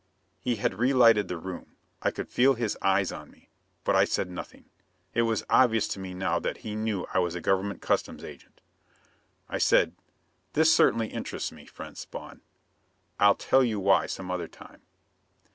He had re lighted the room. I could feel his eyes on me, but I said nothing. It was obvious to me now that he knew I was a government customs agent. I said, "This certainly interests me, friend Spawn. I'll tell you why some other time."